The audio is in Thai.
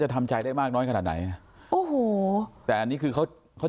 ทำใจได้มากน้อยขนาดไหนอ่ะโอ้โหแต่อันนี้คือเขาเขา